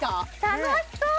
楽しそう！